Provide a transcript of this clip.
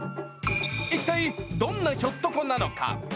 一体、どんなひょっとこなのか？